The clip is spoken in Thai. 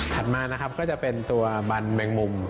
มานะครับก็จะเป็นตัวบันแมงมุม